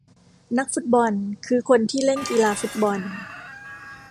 นักฟุตบอลคือคนที่เล่นกีฬาฟุตบอล